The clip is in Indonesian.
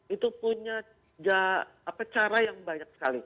itu punya cara yang banyak sekali